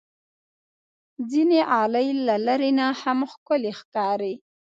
ځینې غالۍ له لرې نه هم ښکلي ښکاري.